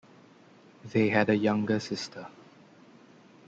They had a younger sister.